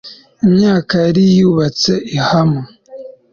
imyaka yari yarubatse i Hama